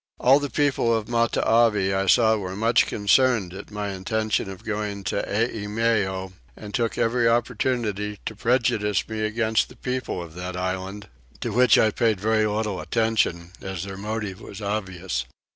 All the people of Matavai I saw were much concerned at my intention of going to Eimeo, and took every opportunity to prejudice me against the people of that island; to which I paid very little attention as their motive was obvious.